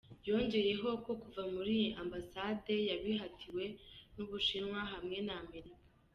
Yongeye ho ko kuva muri iyi Ambasade yabihatiwe n’ u Bushinwa hamwe n’Amerika.